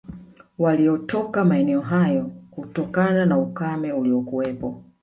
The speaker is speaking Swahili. Walitoka maeneo hayo kutokana na ukame uliokuwepo